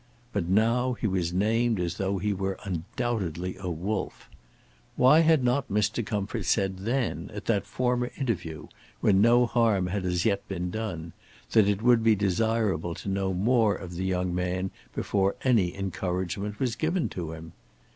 But now he was named as though he were undoubtedly a wolf. Why had not Mr. Comfort said then, at that former interview, when no harm had as yet been done, that it would be desirable to know more of the young man before any encouragement was given to him?